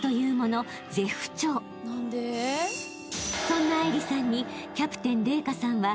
［そんな愛梨さんにキャプテン麗華さんは］